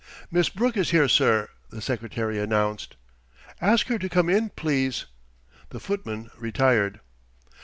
"Miss Brooke is here, sir," the secretary announced. "Ask her to come in, please." The footman retired.